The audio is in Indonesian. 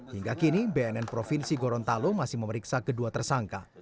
hingga kini bnn provinsi gorontalo masih memeriksa kedua tersangka